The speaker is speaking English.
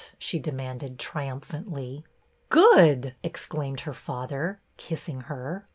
she demanded triumphantly. " Good !" exclaimed her father, kissing her.